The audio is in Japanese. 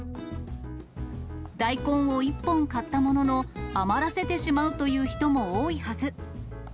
大根を１本買ったものの、余らせてしまうという人も多いはず。